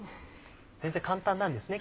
先生簡単なんですね？